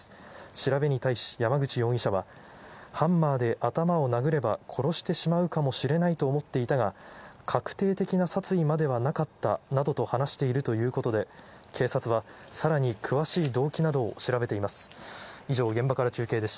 調べに対し、山口容疑者はハンマーで頭を殴れば殺してしまうかもしれないと思っていたが、確定的な殺意まではなかったなどと話しているということで、警察はさらに詳しい動機などを調べています。